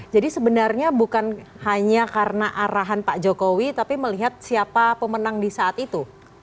jadi sebenarnya bukan hanya karena arahan pak jokowi tapi melihat siapa pemenang di saat itu